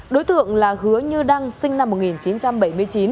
đối tượng là hứa như đăng sinh năm một nghìn chín trăm bảy mươi chín